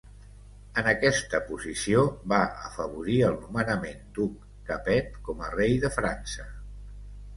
En aquesta posició va afavorir el nomenament d'Hug Capet com a rei de França.